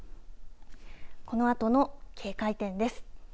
このあとの警戒点です。